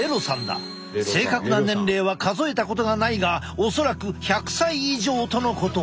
正確な年齢は数えたことがないが恐らく１００歳以上とのこと。